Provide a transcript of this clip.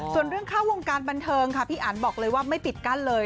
ส่วนเรื่องเข้าวงการบันเทิงค่ะพี่อันบอกเลยว่าไม่ปิดกั้นเลย